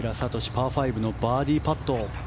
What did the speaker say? パー５のバーディーパット。